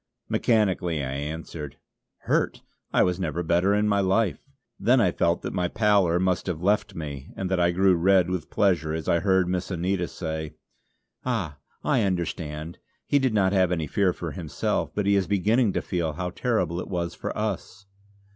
Mechanically I answered: "Hurt! I was never better in my life," then I felt that my pallor must have left me and that I grew red with pleasure as I heard Miss Anita say: "Ah! I understand. He did not have any fear for himself; but he is beginning to feel how terrible it was for us."